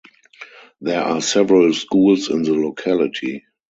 There are several schools in the locality.